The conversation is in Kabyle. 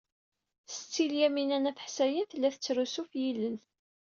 Setti Lyamina n At Ḥsayen tella tettrusu ɣef yilel.